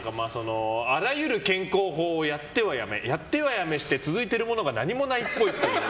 あらゆる健康法をやってはやめやってはやめして続いているものが何もないっぽい。